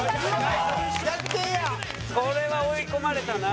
これは追い込まれたな。